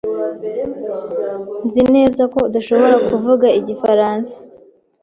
Nzi neza ko adashobora kuvuga igifaransa.